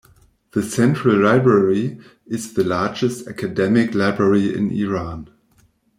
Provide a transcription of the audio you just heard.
The Central Library is the largest academic library in Iran.